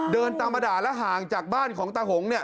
เดินตามมาด่าแล้วห่างจากบ้านของตาหงเนี่ย